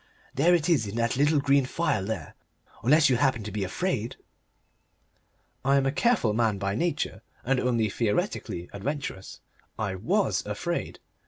"There it is in that little green phial there! Unless you happen to be afraid?" I am a careful man by nature, and only theoretically adventurous. I WAS afraid.